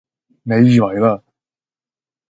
你以為啦！